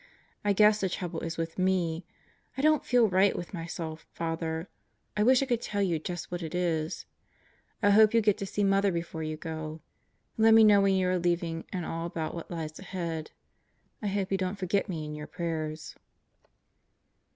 I guess the trouble is with me. I don't feel right with myself, Father. I wish I could tell you just what it is. ... I hope you get to see Mother before you go. ... Let me know when you are leaving and all about what lies ahead. I hope you don't forget me in your prayers.